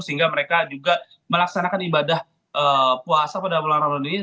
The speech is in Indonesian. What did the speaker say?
sehingga mereka juga melaksanakan ibadah puasa pada bulan ramadan ini